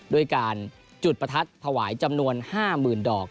ด้วยการจุดประทัดถวายจำนวน๕๐๐๐ดอก